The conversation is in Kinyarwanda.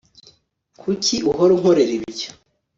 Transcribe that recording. Kuki uhora unkorera ibyo